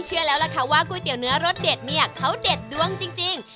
เชื่อแล้วล่ะค่ะว่าก๋วยเตี๋ยวเนื้อรสเด็ดเนี่ยเขาเด็ดดวงจริง